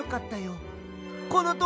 このとおり！